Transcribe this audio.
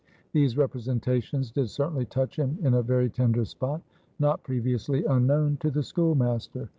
These representations did certainly touch him in a very tender spot, not previously unknown to the schoolmaster.